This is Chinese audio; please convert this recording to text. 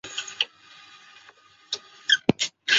在场上的位置是中后卫。